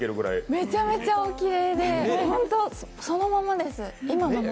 めちゃめちゃおきれいで今もそのままです。